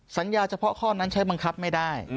เฉพาะข้อนั้นใช้บังคับไม่ได้